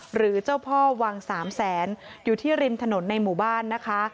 หรือเจ้าพ่อวังสามแสนอยู่ที่ริมถนนในหมู่บ้านนะคะ